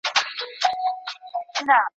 وطن به خپل، پاچا به خپل وي او لښکر به خپل وي